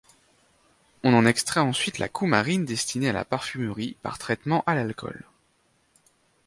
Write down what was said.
On en extrait ensuite la coumarine destinée à la parfumerie par traitement à l'alcool.